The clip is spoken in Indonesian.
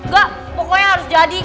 gak pokoknya harus jadi